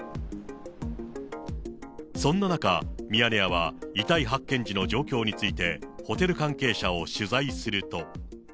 そんな中、ミヤネ屋は遺体発見時の状況について、ホテル関係者を取材すると。